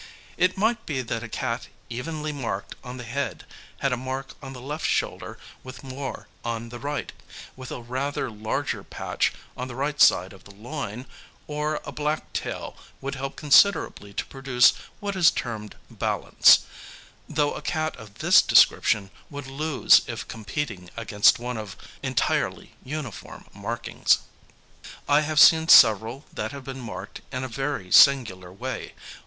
It might be that a cat evenly marked on the head had a mark on the left shoulder with more on the right, with a rather larger patch on the right side of the loin, or a black tail would help considerably to produce what is termed "balance," though a cat of this description would lose if competing against one of entirely uniform markings. I have seen several that have been marked in a very singular way.